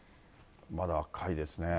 まだ赤いですね。